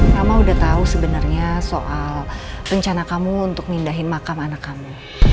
mama udah tau sebenernya soal rencana kamu untuk pindahin makam anak kamu